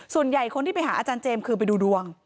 ส่วนใหญ่คนที่ไปหาอาจารย์เจมส์คือไปดูดวง